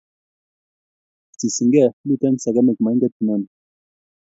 Sisin kee miten semekik mainget inoni